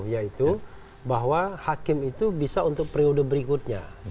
yaitu bahwa hakim itu bisa untuk periode berikutnya